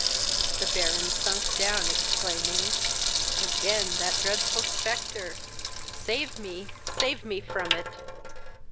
The Baron sunk down, exclaiming, "Again that dreadful spectre! Save me, save me, from it!"